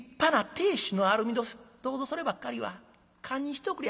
どうぞそればっかりは堪忍しておくれやす」。